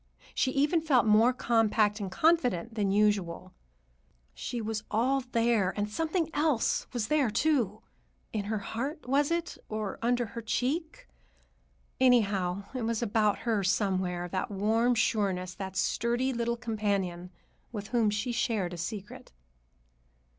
She even felt more compact and confident than usual. She was all there, and something else was there, too,—in her heart, was it, or under her cheek? Anyhow, it was about her somewhere, that warm sureness, that sturdy little companion with whom she shared a secret.